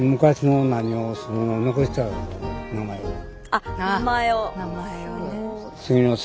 あっ名前を。